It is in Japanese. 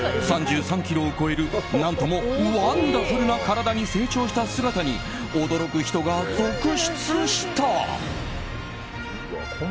３３ｋｇを超える、何ともワンダフルな体に成長した姿に驚く人が続出した。